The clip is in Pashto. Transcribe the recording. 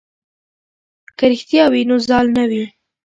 که رښتیا وي نو زال نه وي.